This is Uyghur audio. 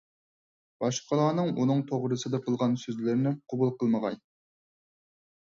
باشقىلارنىڭ ئۇنىڭ توغرىسىدا قىلغان سۆزلىرىنى قوبۇل قىلمىغاي.